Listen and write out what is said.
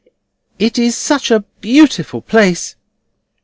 It is such a beautiful place!"